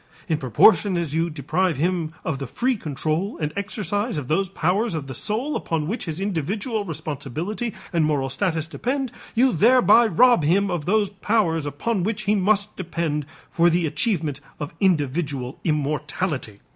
In proportion as you deprive him of the free control and exercise of those powers of the soul upon which his individual responsibility and moral status depend, you thereby rob him of those powers upon which he must depend for the achievement of individual immortality."